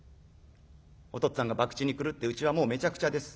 『おとっつぁんが博打に狂ってうちはもうめちゃくちゃです。